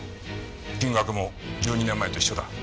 金額も１２年前と一緒だ。